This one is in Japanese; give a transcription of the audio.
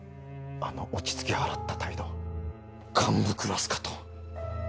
あの落ち着き払った態度幹部クラスかと。